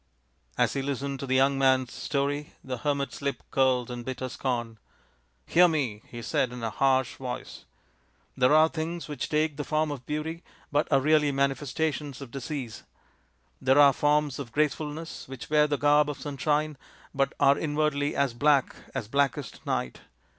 As he listened to the young man's story, the hermit's lip curled in bitter scorn. " Hear me," he said, in a harsh voice, " there are things which take the form of beauty, but are really manifestations of disease. There are forms of gracefulness which wear the garb of sunshine, but are inwardly as black as blackest night.